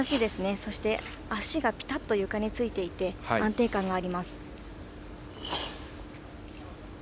そして、足がぴたっと床についていて安定感があります。